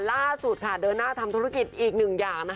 ล่าสุดเดินหน้าทำธุรกิจอีกหนึ่งอย่าง